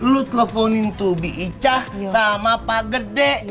lu teleponin tubi icah sama pak gede